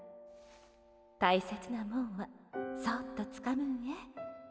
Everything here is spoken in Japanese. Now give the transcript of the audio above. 大切なもんはそぅっとつかむんえ。